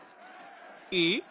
えっ？